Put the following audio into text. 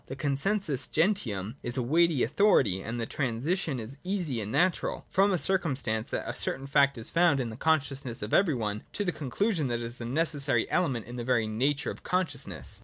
The consensus gentium is a weighty authority, and the transition is easy and natural, from the circumstance that a certain fact is found in the consciousness of every one, to the conclusion that it is a necessary element in the very nature of consciousness.